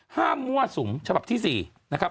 มั่วสุมฉบับที่๔นะครับ